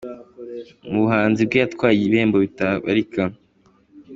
Mu buhanzi bwe yatwaye ibihembo bitabarika.